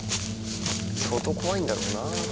相当怖いんだろうな。